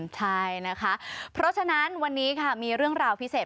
ใช่นะคะเพราะฉะนั้นวันนี้ค่ะมีเรื่องราวพิเศษ